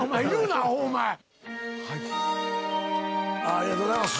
ありがとうございます。